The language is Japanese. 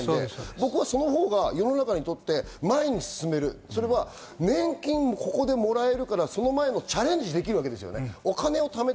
僕はそのほうが世の中にとって前に進める、それは年金、ここでもらえるからその前にチャレンジできるわけですよね。